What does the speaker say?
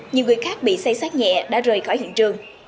nhiều người khác bị xây sát nhẹ đã rời khỏi hiện trường